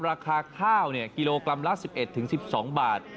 ราคาข้าวกิโลกรัมละ๑๑๑๒บาท